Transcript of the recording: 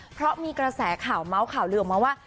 เพราะมีกระแสข่าวเมาส์ข่าวลืมออกมาว่า